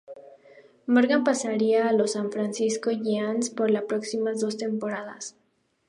Morgan pasaría a los San Francisco Giants por las próximas dos temporadas.